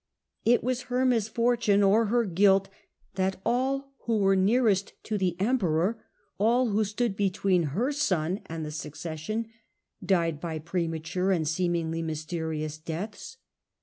It was her misfortune or her guilt that all who were nearest to the Emperor, all who stood between her son and the suc cession, died by premature and seemingly mysterious deaths.